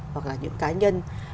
hoặc là những cá nhân